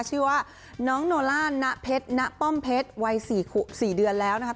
ชื่อว่าน้องโนลาณพฤชณป้อมเพชรวัยสี่คู่สี่เดือนแล้วนะคะ